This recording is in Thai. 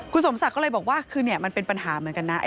คุณสมศักดิ์ก็เลยบอกว่าคือเนี่ยมันเป็นปัญหาเหมือนกันนะ